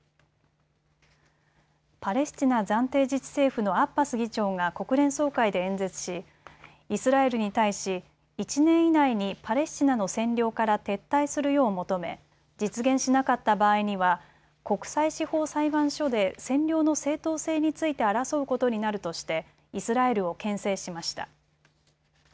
パレスチナ暫定自治政府のアッバス議長が国連総会で演説しイスラエルに対し１年以内にパレスチナの占領から撤退するよう求め実現しなかった場合には国際司法裁判所で占領の正当性について争うことになるとしてイスラエルをけん制しました。